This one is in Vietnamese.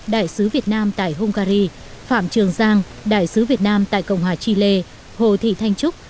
đại sứ việt nam tại hungary phạm trường giang đại sứ việt nam tại cộng hòa chile hồ thị thanh trúc